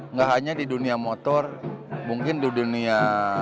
nggak hanya di dunia motor mungkin di dunia